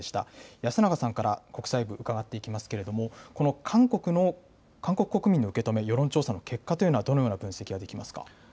安永さんから国際部、伺っていきますけれども、この韓国の、韓国国民の受け止め、世論調査の結果というのは、どのような分析ができますか。